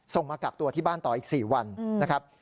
มากักตัวที่บ้านต่ออีก๔วันนะครับ